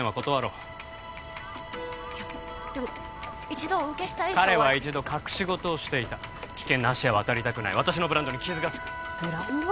一度お受けした以上は彼は一度隠し事をしていた危険な橋は渡りたくない私のブランドに傷がつくブランド？